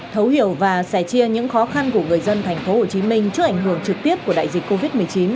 thấu hiểu và sẻ chia những khó khăn của người dân tp hcm trước ảnh hưởng trực tiếp của đại dịch covid một mươi chín